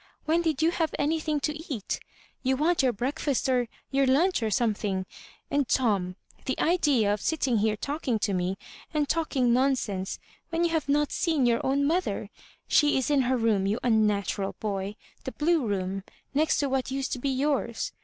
When did you have anything to eat? You want your breakfast or your lunch or something ; and Tom 1 the idea of sitting here talking to me, and talk ing nonsense, when you have not seen your own . molhei I She is in her room, you unnatural boy ; the blue room, next to what used to be yours.